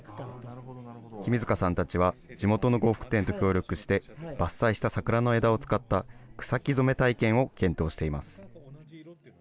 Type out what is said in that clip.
君塚さんたちは地元の呉服店と協力して、伐採した桜の枝を使った草木染め体験を検討しています。